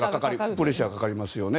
プレッシャーがかかりますよね。